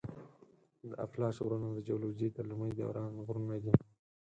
د اپلاش غرونه د جیولوجي د لومړي دوران غرونه دي.